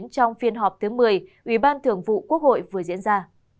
trong phiên họp thứ một mươi ủy ban thường vụ quốc hội vừa diễn ra